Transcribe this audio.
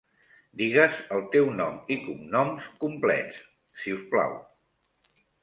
Digues el teu nom i cognoms complets, si us plau.